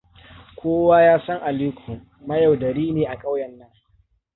Kowa ya san Aliko, mayaudari ne a ƙauyen nan.